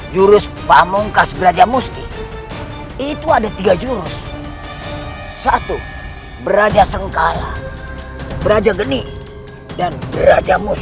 jurus pamungkas brajamusti itu ada tiga jurus satu braja sengkala braja geni dan derajamus